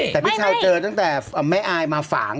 แต่พี่ชายเจอตั้งแต่แม่อายมาฝาง